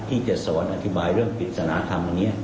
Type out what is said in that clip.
ที่จะสอนอธิบายเรื่องปริศนธรรมอันนี้